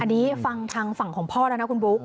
อันนี้ฟังทางฝั่งของพ่อแล้วนะคุณบุ๊ค